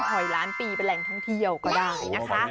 หอยล้านปีเป็นแหล่งท่องเที่ยวก็ได้นะคะ